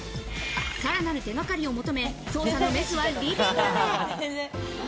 さらなる手がかりを求め、捜査のメスはリビングへ。